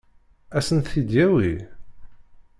Ad sen-t-id-yawi?